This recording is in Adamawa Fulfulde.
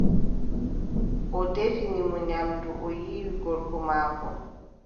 O defini mo nyamndu, o yiiwi gorko maako.